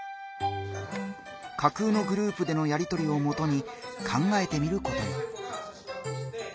架空のグループでのやりとりをもとに考えてみることに。